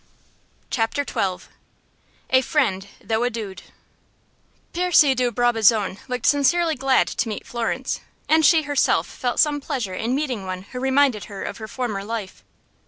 Chapter XII. A Friend, Though A Dude. Percy de Brabazon looked sincerely glad to meet Florence, and she herself felt some pleasure in meeting one who reminded her of her former life.